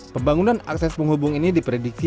pembangunan akses penghubung ini diprediksi